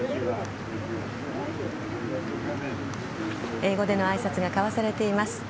英語でのあいさつが交わされています。